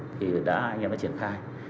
thì đã anh em đã triển khai